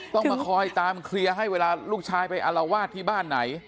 ต้องมาคอยตามเคลียร์ให้เวลาลูกชายไปอารวาสที่บ้านไหน